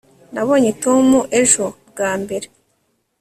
nabonye tom ejo bwa mbere